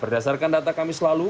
berdasarkan data kami selalu